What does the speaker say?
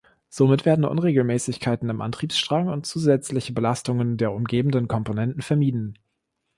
Somit werden Unregelmäßigkeiten im Antriebsstrang und zusätzliche Belastungen der umgebenden Komponenten vermieden.